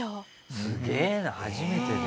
すげえな初めてで。